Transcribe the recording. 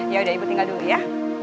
yaudah ibu tinggal dulu ya